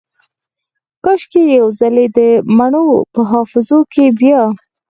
کاشکي یو ځلې دمڼو په حافظو کې بیا